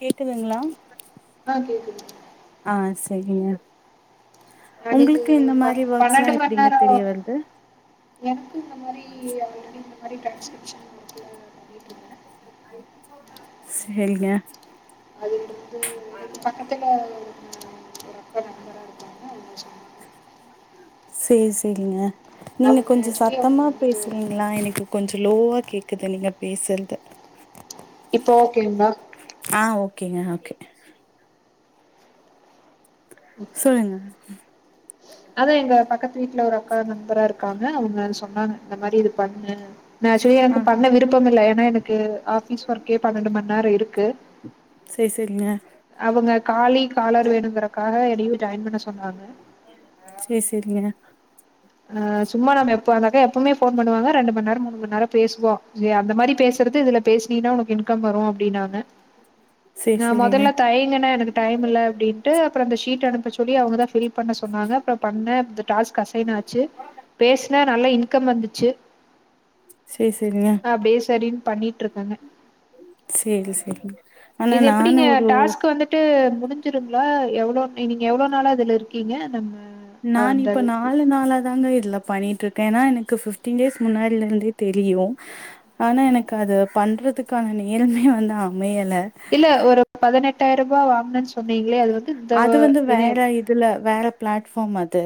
கேக்குதுங்களா ஆ கேக்குது ஆ செரிங்க நான் இது உங்களுக்கு ஒரு இந்த ப மாரி ஒர்க்ஸ் பன்னெண்டு எல்லாம் மணி எப்டிங்க நேரம் தெரிய வருது எனக்கு இந்த மாரி ஆல்ரெடி இந்த மாரி டெறோன்ஸ்கிரிப்ஷன் செரிங்க அது வந்து என பக்கத்துல அக்கா நண்பரா இருக்காங்க அவங்க சொன்னாங்க. செரி செரிங்க நீங்க அவங்க கொஞ்சம் ஆக்சுவலி அவங்க சத்தமா வந்துட்டு பேசுறீங்களா எனக்கு கொஞ்சம் லோவா கேக்குது நீங்க பேசுறது இப்போ ஓகேந்தா ஆ ஓகேங்க ஓகே சொல்லுங்க அதா எங்க பக்கத்து வீட்ல ஒரு அக்கா நண்பரா இருக்காங்க அவுங்க சொன்னாங்க இந்த மாரி இது பண்ணு நா ஆச்சொலி ஆ எனக்கு பண்ண விருப்பம் இல்ல ஏன்னா எனக்கு ஆஃபீஸ் ஒர்க்கே பன்னெண்டு மண் நேரொ இருக்கு சேர் சேரிங்க அவுங்க காலி காலர் வேணுங்கறக்காக என்னயு ஜாயின் பண்ண சொன்னாங்க சேர் சேரிங்க அ சும்மா நாம எப்ப அந்தக்கா எப்புமே ஃபோன் பண்ணுவாங்க ரெண்டு மண் நேரோ மூணு மண் நேரோ பேஸ்வோ இல்லயா அந்த மாரி பேசுறது இதுல பேஸ்னீனா உனக் இன்கம் வரு அப்டின்னாங்க சேரி நா செரிங்க மொதல்ல தயங்குன எனக் டையம் இல்ல அப்டின்டு அப்றோ அந்த ஷீட் அனுப்ப சொல்லி அவுங்கதா ஃபில் பண்ண சொன்னாங்க அப்றொ பண்ண அந்த டாஸ்க் அசைன் ஆச் சு பேச்ன நல்ல இன்கம் வந்துச்சு சேர் சேரிங்க அப்டியே செரின் பண்ணி ட்ருக்காங்க சேரி செரிங்க ஆனா இது எப்டிங்க நானு ஒரு டாஸ்க் வந்து ட்டு முடிஞ்சிருங்ளா எவ்ளோ நீங்க எவ்ளோ நாளா இதுல இருக்கீங்க நம்ம நான் அந்த இப்ப நாலு நாலாதாங்க இதுலப் பண்ணிட்ருக்கே ஏனா எனக்கு ஃபிப்டீன் டேஸ் முன்னாடில இருந்தே தெரியு ஆனா எனக்கு அது பண்றதுக்கான நேரமே வந்து அமயல இல்ல ஒரு பதனெட்டாய்ரபா வாங்ணன் சொன்னீங்ளே அது வந்து இந்த அது வந்து வேற இனையம் இதுல வேற பிளாட்ஃபாம் அது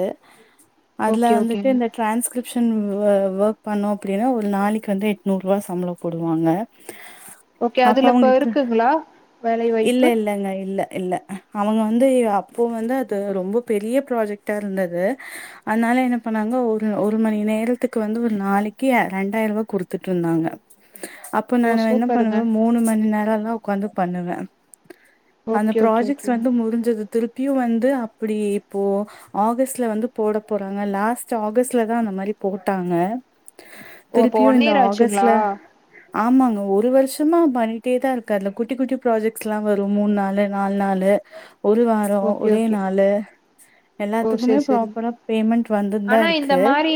அதுல ஓகே வந்துட்டு ஓகேங்க இந்த ட்ரான்ஸ்கிரிப்ஷன் வோக் பண்ணோ அப்டின்னா ஒரு நாளக்கி வந்து எட்நூற்வா சம்ப்ளோ போடுவாங்க ஓகே அப்ப அதுல இப்ப அவங்கக்கு இருக்குங்களா வேலை இல்ல வாய்ப்பு இல்லங்க இல்ல இல்ல அவுங்க வந்து அப்போ வந்து அது ரொம்ப பெரிய ப்ராஜெக்டா இருந்தது அதுனால என்ன பண்ணாங்க ஒரு ஒரு மணி நேரத்துக்கு வந்து ஒரு நாளக்கி ரெண்டாயருவா குடுத்துட் இருந்தாங்க அப் ப்ப நா ஓ என்ன சூப்பருங்க பண்ணுவ மூணு மணி நேரல்லா உக்காந்து பண்ணுவே அந்த ஓகே ஓகே ப்ராஜெக் ஓகேங்க முடுஞ்சது திருப்பியு வந்து அப்டி இப்போ ஆகஸ்ட்ல வந்து போட போறாங்க லாஸ்ட் ஆகஸ்ட்ல தா அந்த மாரி போட்டாங்க ஓ அப்போ திருப்பியு ஒன் இந்த இயர் ஆச்சுங்களா ஆகஸ்ட்ல ஆமாங்க ஒரு வருஷ்ஷமா பண்ணிட்டே தா இருக்க அந்த குட்டி குட்டி ப்ராஜெக்ட்ஸ் லா வரு மூண் நாளு நால் நாளு [unintelligible] ஒரு வாரோ ஓகே ஒரே ஓகே நாளு ஓ எல்லாத்துக்குமே சரி சரி ப்ராப்பரா பேமெண்ட் வந்துன் தா ஆனா இந்த இருக்கு மாரி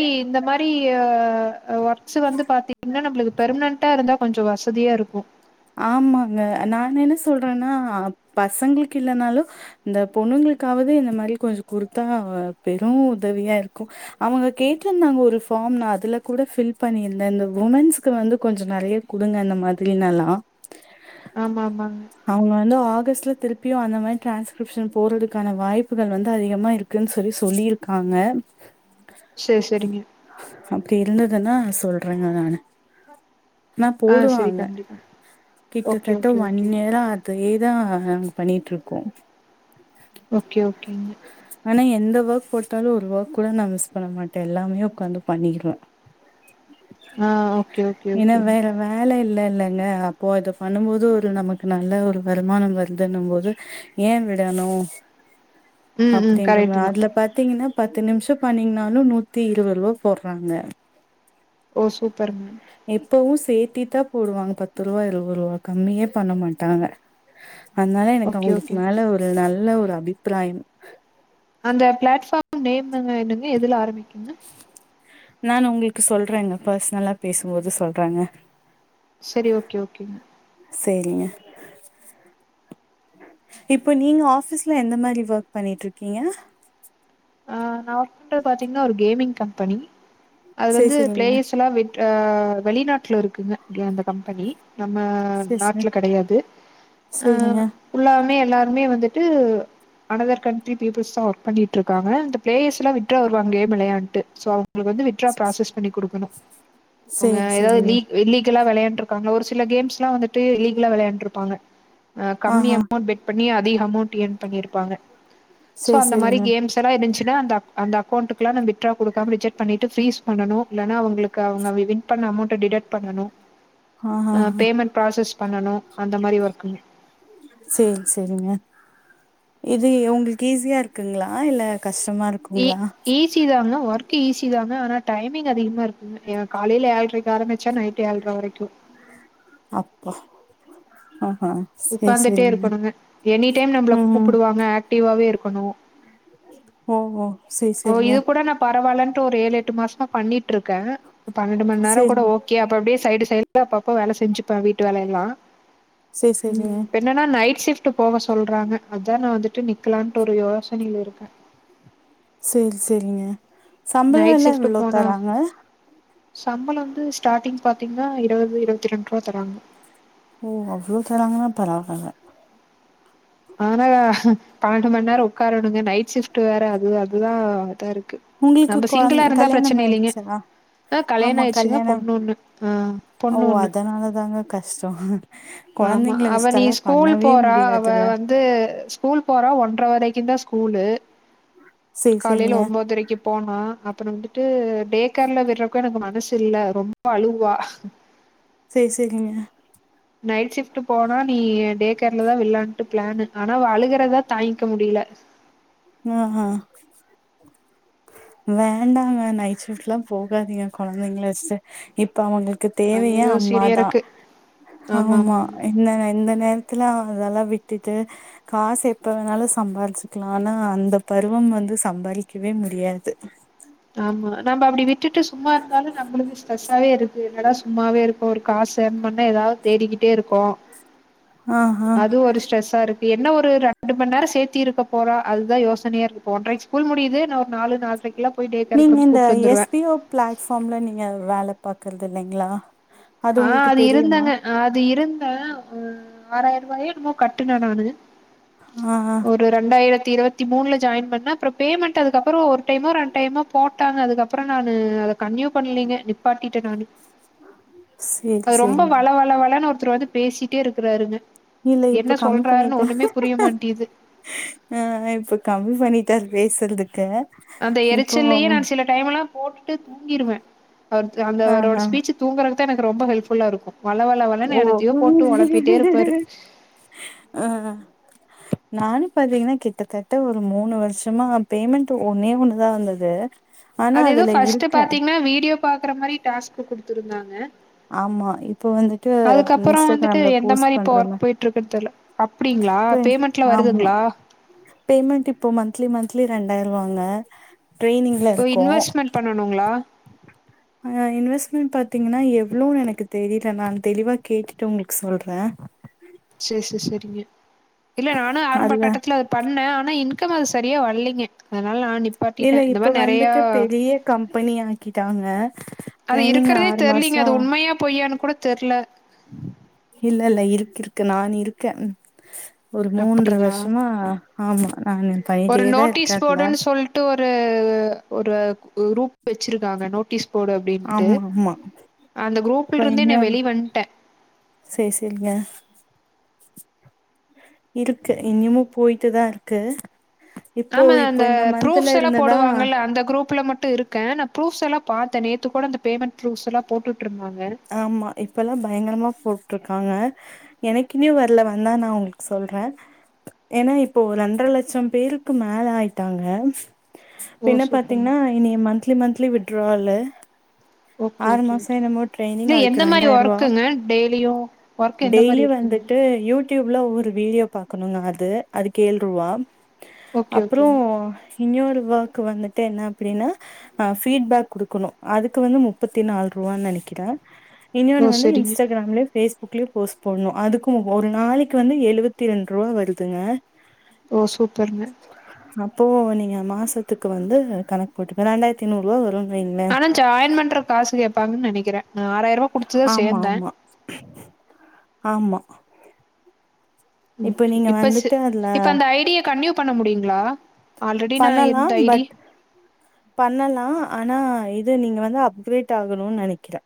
[unintelligible] ஒர்க்ஸ் வந்து பாத்திங்னா நம்ளுக்கு பெர்ம்னன்டா இருந்தா கொஞ்சொ வசதியா இருக்கு ஆமாங்க நான் என்ன சொல்றனா பசங்களுக் இல்லனாலு இந்த பொண்ணுங்ளுக்காவது இந்த மாரி கொஞ்சொ குடுத்தா பெரூ உதவியா இருக்கு அவங்க கேட்ருந்தாங்க ஒரு ஃபார்ம் நா அதுல கூட ஃபில் பண்ணிர்ந்தே இந்த உமன்ஸ்ஸுக்கு வந்து கொஞ்சொ நெறைய குடுங்க அந்த மாதிரினல்லா ஆமா ஆமாங்க அவுங்க வந்து ஆகஸ்ட்ல திருப்பியு அந்த மாரி டிரான்ஸ்கிரிப்ஷன் போட்றதுக்கான வாய்ப்புகள் வந்து அதிகமா இருக் க்குனு சொல்லி சொல்லிர்க்காங்க சேர் சேரிங்க அப்டி இருந்துதனா சொல்றேங்க நானு ஆனா ஆ சரி போடுவாங்க கண்டிப்பா ஓகே கிட்டத்தட்ட ஓகே ஒன் ஓகே யரா அதேதா நாங்க பண்ணிட் இருக்கோ ஓகே ஓகேங்க ஆனா எந்த ஒர்க் போட்டாலு ஒரு ஒர்க் கூட நா மிஸ் பண்ண மாட்டே எல்லாமே உக்காந்து பண்ணிர்வே ஆ ஓகே ஓகே ஏன்னா ஓகே வேற வேல இல்ல இல்லங்க அப் இப்போ இத பண்ணுபோது ஒரு நமக்கு நல்ல ஒரு வருமானோ வருதுன்னு போது ஏ விடணு ம் ம் அப்டின்ற மா கரெக்ட்டு தா அதுல பாத்தீங்னா பத்து நிம்ஷோ பன்னீங்னாலு நூத்தி இருவொர்வா போட்றாங்க ஓ சூப்பர்ங்க எப்பவு சேத்தி தா போடுவாங் பத்து ருவா இருவோருவா கம்மியே பண்ண மாட்டாங்க அதனால எனக் ஓகே ஓகே அவுங்குளுக் மேல ஒரு நல்ல ஒரு அபிப்பிராயம் அந்த பிளாட்ஃபாம் நேம்ங்க என்னங்க எதுல ஆரம்பிக்கு நானு உங்களுக்கு சொல்றேங்க பர்சனலா பேசும்போது சொல்றாங்க சரி ஓகே ஓகேங் செரிங்க இப்ப நீங்க ஆபீஸ்ல எந்த மாதிரி ஒர்க் பண்ணிட்டு இருக்கீங்க ஆ நா ஒர்க் பண்றது பாத்தீங்கன்னா ஒரு கேமிங் கம்பெனி அது சேரி வந்து சேரிங்க. பிளேயர்ஸ் எல்லா வெ ஆ வெளிநாட்ல இருக்குங்க க அந்த கம்பெனி நம்ம சேரி சேரி நாட்ல கெடையாது அ சேரிங்க. ஃபுல்லாவுமே எல்லாருமே வந்துட்டு அனதர் கண்ட்ரி பீயுப்ல்ஸ் தா ஒர்க் பண்ணிட்டு இருக் காங்க அந்த பிளேயர்ஸ்லா வித்ட்ரா வருவாங்க கேம் வெளையாட்டு சோ அவ் ங்களுக்கு வித்டிரா ப்ராசஸ் பண்ணி குடுக்கணு அவ்ங்க சேரி ஏதாவது சேரிங்க. லி இல்லீகலா வெளையாண்டு காங்க ஒரு சில கேம்ஸ் எல்லா வந்துட்டு லீகலா விளையாண்ட்டு இருப்பாங்க கம்மி ஆஹா அமௌண்ட் பெட் பண்ணி அதிக அமௌன்ட் ஏர்ன் பண்ணிருப்பாங்க சோ சேரி அந்த மாரி சேரிங்க. கேம்ஸ் எதனா இருந்துச்சுன்னா அந்த அ அந்த அக்கௌன்ட்க்கு எல்லா நா வித்டிரா குடுக்காம ரிஜெக்ட் பண்ணிட்டு பிரீஸ் பண்ணனு இல்லனா அவங்களுக் கு அவுங்க வின் பண்ண அமௌண்ட்ட டிடெக்ட் பண்ணணு அ ஆஹாஹா பேமெண்ட் ப்ராசஸ் பண்ணணு அந்த மாரி ஒர்க் செரி செரிங்க இது உங்களுக்கு ஈஸியா இருக்குங்களா இல்ல கஷ்டமா இருக் ஈ ஈஸ் சி தாங்க ஒர்க் ஈஸி தாங்க ஆனா டைமிங் அதிகமா இருக்குங்க காலையில ஏழ்றைக்கு ஆரம்பிச்சா நைட் ஏழ்ற வரைக்கு அப்ப ஆஹ உக்காந்துட்டே இருக்கணுங்க எனி டைம் நம்மள ம் குப்புடுவாங்க ஆக்டிவாவே இருக்கணு ஓகோ செரி சரிங்க பரவாலன்ட்டு ஒரு ஏழு எட்டு மாசமா பண்ணிட்டு இருக்கே பன்னெண்டு மணி நேரோ கூட சேரிங்க. ஓ கே அப்ப அப்டியே சைடு சைடுல அப்பப்ப வேல செஞ்சுப்பே வீட்டு வேலைய எல்லா சேரி சேரிங்க. பெ என்னன்னா நைட் ஷிப்ட் போக சொல்றாங்க அதா நா வந்துட்டு நிக்கலான்ட்டு ஒரு யோசனைல இருக்கே செரி செரிங்க சம்பள நைட் எல்லா ஷிஃப்ட் எவ்ளோ போனா தராங்க சம்பளம் வந்து ஸ்டாட்டிங் பாத்தீங்கன்னா இருபது இருபத்தி ரெண்டு ரூபா தராங்க ஓ அவ்ளோ தராங்கன்னா பரவால்ல ஆனா பன்னெண்டு மணி நேரோ உக்காரணுங்க நைட் ஷிஃப்ட் வேற அது அதுதா இதா இருக்கு உங்களுக்கு நம்ம கொழந் சிங்கிளா இருந்தா கல்யாணம் பிரச்சனை இல்லைங்க. ஆயிடுச்சா ஆ கல்யாணம் ஆமா ஆயிடுச்சுங்க கல்யாணம் பொண்ணு ஆ ஓ பொண்ணு அதனாலதாங்க கஷ்டோ ஆமா கொழந்தைங்கள அவ நீ வச்சுட்டெல்லா ஸ்கூல் பண்ணவே போறா அவ முடியாதுங்க வந் து ஸ்கூல் போற ஒன்றர வரைக்கும் தா ஸ்கூலு சேரி காலையில சேரிங்க ஒன்பதரைக்கு போனா அப்பறம் வந்துட்டு டேகேர்ல விடுறதுக்கு எனக்கு மனசு இல்ல ரொம்ப அழுகுவா செர் செரிங்க நைட் ஷிப்ட் போனா நீ டே கேர்ல தா விடலான்ட்டு ப்ளான்னு ஆனா அவ அழுகறத தாங்கிக்க முடியில ஆ அ வேண்டாங்க நைட் ஷிப்ட்லா போகாதீங்க குழந்தைங்கள வச்சுட்டு இப்ப அவுங்களுக் கு தேவையே ஐயோ சிரியா அம்மாதா இருக்கு ஆமா இந்த இந்த நேரத்துல அவுங்களலெல்லா விட்டுட்டு காசு எப்ப வேணாலு சம்பாரிச்சுக்கலா ஆனா அந்த பருவம் வந்து சம்பாரிக்கவே முடியாது ஆமா நம்ப அப்டி விட் டுட்டு சும்மா இருந்தாலு நம்மளுக்கு ஸ்ட்ரெஸ்ஸாவே இருக்கு என்னடா சும்மாவே இருக்கோ ஒரு காசு ஏர்ன் பண்ணா ஏதாவது தேடிக்கிட்டே இருக்கோ ஆ ஆ அது ஒரு ஸ்ட்ரெஸ்ஸா இருக்கு என்ன ஒரு ரெண்டு மண்நேரோ சேத்தி இருக்க போறா அதுதா யோசனைய இருக்கு ஒன்றைக்கு ஸ்கூல் முடியுது இன்னு ஒரு நாலு நால்ரைக்கெல்லா நீங்க இந்த எஸ் பி ஓ ஃபிளாட்பாம்ல நீங்க வேல பாக்குறது இல்லைங்ளா ஆ அது இருந்தேங்க அது இருந்தே ம் ஆறாயிரரூபாயோ என்னமோ கட்டுன நானு ஆ ஒரு ரெண்டாயிரத்தி இருவத்தி மூணுல ஜாயின் பண்ண அப்றோ பேமெண்ட் அதுக்கப்பறோ ஒரு டைமோ ரெண்டு டைமோ போட்டாங்க அதுக்கப்பறம் நானு அத கன்டினியூ பண்லைங்க நிப்பாட்டிட்டே நானு சேரி அது ரொம்ப சேரிங்க. வள வள வளனு ஒருத்தர் வந்து பேசிட்டே இருக்கறாருங்க இல்ல என்ன இப்ப கம்மி சொல்றாருன்னு பண்ணிட்டே ஒண்ணுமே புரிய மாட்டேது ஆ இப்ப கம்மி பண்ணிட்டாரு பேசுறதுக்கு அந்த இப்போ எரிச்சல்லயே நா சில டைம் எல்லா போட்டுட்டு தூங்கிருவே அவர் அந்த ஆ அவரோட ஆ ஸ்பீச்சு தூங்கறதுக்தா எனக்கு ரொம்ப ஹெல்ப் ஃபுல்லா இருக்கு வல வல வலனு ஓ என்னத்தையோ போட்டு ஒழப்பிட்டே இருப்பாரு அ நானு பாத்தீங்கன்னா கிட்டத்தட்ட ஒரு மூணு வருஷமா பேமெண்ட் ஒன்னே ஒன்னுதா வந்தது ஆனா அது எதோ அதுல ஃபர்ஸ்டு இருக்கே. பாத்தீங்கன்னா வீடியோ பாக்கற மாரி டாஸ்க் குடுத்துருந்தாங்க ஆமா இப்ப வந்துட்டு அதுக்கப்பறோ வந்துட்டு இன்ஸ்டாகிராம்ல எந்த போஸ்ட் மாரி இப்ப பண்றோமே ஒர்க் போயிட்ருக்குனு தெர்ல அப்டிங்களா இப்ப பேமெண்ட்ல ஆமா வருதுங்களா பேமெண்ட் இப்போ மந்த்லி மந்த்லி ரெண்டாயிரூவாங்க ட்ரெயினிங் ஓ இன்வஸ்மெண் பண்ணணுங்களா அ இன்வெஸ்ட்மென் பாத்தீங்கன்னா எவ்ளோ எனக்கு தெரியல நான் தெளிவா கேட்டுட்டு உங்களுக்கு சொல்றே செர் செர் செரிங்க இல்ல நானு ஆரம்ப அதுல கட்டத்துல பண்ண ஆனா இன்கம் அது செரியா வல்லீங்க அதனால நா நிப் இல்ல இப்ப வந்துட்டு பெரிய கம்பெனி ஆக்கிட்டாங்க அது ட்ரைனிங் இருக்கறதே ஆறு தெர்லீங்க மாசோ அது உண்மையா பொய்யான்னு கூட தெர்ல இல்ல இல்ல இருக்கு இருக்கு நான் இருக்க ஒரு மூன்ற அப்டிங்களா வருஷமா ஆமா நானு ஒரு பண்ணிட்டேதா நோட்டீஸ் இருக்கே அதுல போர்டுன்னு சொல்ட்டு ஒரு ஒரு குரூப் வச்சிருக்காங்க நோட்டீஸ் போர்டு அப்டின்ட்டு ஆமா ஆமா அந்த குரூப்ல இருந்தே நா வெளிய வன்ட்டே செரி செரிங்க இருக்கு இன்னிமு போயிட்டுதா இருக்கு இப்போ ஆமா இப்போ அந்த இந்த மந்த்ல ப்ரூஃப்ஸ் எல்லா இருந்துதா போடுவாங்க இல்ல அந்த குரூப்ல மட்டு இருக் கே நா ப்ரூஃப்ஸெல்லா பாத்தே நேத்து கூட அந்த பேமெண்ட் ப்ரூப்ஸ் எல்லாம் போட்டுட்டு இருந்தாங்க ஆமா இப்பல்லா பயங்கரமா போட்ருக்காங்க எனக்குமே வரல வந்தா நா உங்களுக்கு சொல்றே ஏன்னா இப்போ ரெண்டர லட்சோ பேருக்கு மேல ஆயிட்டாங்க ஓ! பின்ன சூப்பருங்க. பாத்தீங்கன்னா இனி மந்த்லி மந்த்லி விட்ராவுல ஓகே, ஆறு ஓகே, மாசோ ஓகே. என்னமோ ட்ரெய்னிங் இல்ல அதுக்கு எந்த மாரி ரெண்டாயருவா ஒர்க்குங்க? டெய்லியும் ஒர்க் எந்த மாரி டெய்லி இருக்குங்க? வந்துட்டு யூட் டியூப்ல ஒரு வீடியோ பாக்கணுங்க அது அதுக்கு ஏழுருவா ஓகே, அப்பறோ ஓகேங்க. இன்னொரு ஒர்க் வந்துட்டு என்ன அப்டின்னா ஃப்பிடுபேக் குடுக்கனு அதுக்கு வந்து முப் முப்பத்தி நாலு ரூவானு நெனைக்கிறே இன்னொனு ஓ! வந்து சரிங்க. இன்ஸ்டாகிராம்ல பேஸ்புக்லயோ போஸ்ட் போட்னு அதுக்கு ஒரு நாளைக்கு வந்து எழுவத்திரெண்ருவா வருதுங்க ஓ சூப்பர்ங்க அப்போ நீங்க மாசத்துக்கு வந்து கணக்கு போட்டுக்கோ ரெண்டாயிரத்தி நூறுவா வரும்னு வைங்களே ஆனா ஜாயின் பண்ற காசு கேப்பாங்க நெனைக்கிறே ஆறாயருவா ஆமா ஆமா ஆமா இப்ப ஓகே நீங்க இப்பச் வந்துட்டு அதுல இப்ப அந்த ஐ டிய கன்டினுயூ பண்ண முடியுங்களா ஆல்ரெடி நா இருந்த ஐ டி பட் பண்ணலா ஆனா இது நீங்க வந்து அப்கிரேட் ஆகணுன்னு நெனைக்கிறே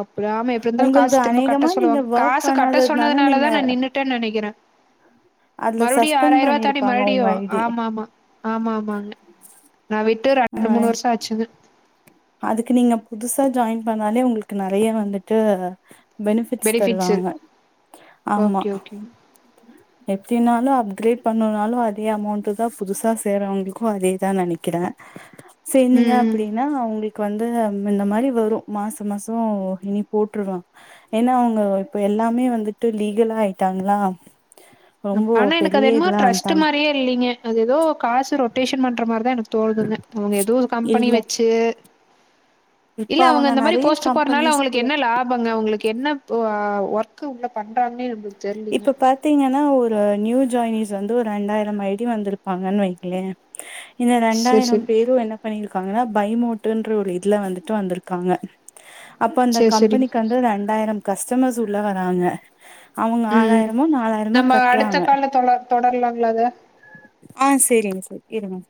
அப்றோ ஆமா எப்டி இருந்தாலு காசு உங்கள்து திரும்ப கட்ட அநேகமா நீங்க சொல்லுவாங்க வொர்க் காசு கட்ட பண்ணாததுனால, சொன்னதுனால நீங்க தா நா நின்னு ட்டே நெனைக்கிறே அதுல மறுபடியு சஸ்பெண்ட் ஆறாயரூவா தாண்டி பண்ணியிருப்பாங்க மறுடியு உங்க ஐடி. ஆமா ஆமா ஆமா ஆமாங்க நா விட்டு அ ரெண்டு மூணு வருஷ ஆச்சுங்க அதுக்கு நீங்க புதுசா ஜாயின் பண்ணாலே உங்களுக்கு நெறைய வந்துட்டு பெனிஃபிட்ஸ் பெனிஃபிட்ஸு தருவாங்க ஆமா ஓகே ஓகேங்க எப்டினாலு அப்கிரேட் பண்ணுனாலு அதே அமௌண்ட்டு தா புதுசா சேரவங்களுக்கு அதேதா நெனைக்கிறே சேந்தீங்க ம் அப்டீன்னா அவுங் களுக்கு வந்து இந்த மாரி வரு மாச மாசோ இனி போட்ருவாங்க ஏன்னா அவங்க இப்ப எல்லாமே வந்துட்டு லீகலா ஆயிட்டாங்ளா ஆனா எனக்கு அது என்னமோ டிரஸ்ட்டு மாரியே இல்லிங்க அது ஏதோ காசு ரொட்டேஷன் பண்ற மாரி தா எனக்கு தோனுது அவங்க ஏதோ ஒரு கம்பெனி இல்ல வச்சு இப்ப இல்ல அவங்க இந்த மாரி நெறைய போஸ்ட்டுரு போறனால கம்பெனிஸ் கூட அவுங்களுக்கு என்ன லாபங்க அவுங்களுக்கு என்ன ஓ ஆ ஒர்க்கு உள்ள பண்ணறாங்கன்னே நம்புது இப்ப பாத்தீங்கன்னா ஒரு நியூ ஜாய்னீஸ் வந்து ஒரு ரெண்டாயிரம் ஐ டி வந்திருப்பாங்கன்னு வைங்ளே இந்த சரி ரெண்டாயிரம் சரி பேரூ என்ன பண்ணியிருக்காங்கன்னா பைமோட்டுன்ற ஒரு இதுல வந்துட்டு வந்திருக்காங்க அப்ப அந்த சரி சரிங்க கம்பெனிக்கண்டு ரெண்டாயிரம் கஸ்டமர்ஸ் உள்ள வராங்க அவங்க ம் நம்ம அடுத்த கட்டுறாங்க. கால்ல தொழ தொடரலாங்களா அத ஆ சேரிங்க சரி இருங்க